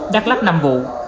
đắk lắk năm vụ